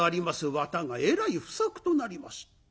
綿がえらい不作となりました。